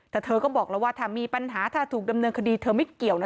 แต่เธอก็บอกแล้วว่าถ้ามีปัญหาถ้าถูกดำเนินคดีเธอไม่เกี่ยวนะ